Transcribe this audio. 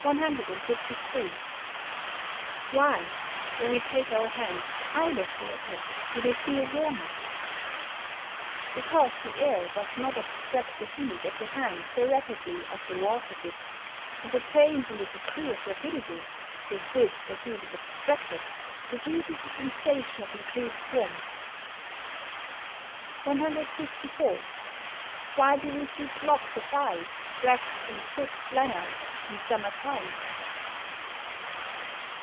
153. Why, when we take our hands out of water do they feel warmer? Because the air does not abstract the heat of the hand so rapidly as the water did, and the change in the degree of rapidity with which the heat is abstracted produces a sensation of increased warmth. 154. _Why do we see blocks of ice wrapped in thick flannel in summer time?